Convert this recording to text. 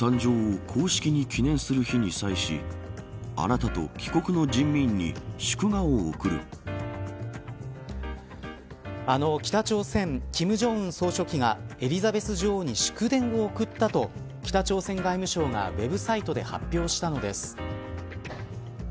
あの北朝鮮、金正恩総書記がエリザベス女王に祝電を送ったと北朝鮮外務省がウェブサイトで発表したのです。